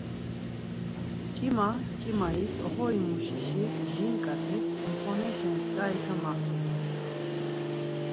Mç̌ima mç̌imayiz oxorimuşişi jin ǩat̆iz ontsxoneşen tzǩari kamaxtu doren.